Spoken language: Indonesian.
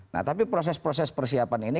nah tapi proses proses persiapan ini